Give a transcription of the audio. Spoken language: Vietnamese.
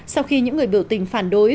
sau khi những người biểu tình phản đối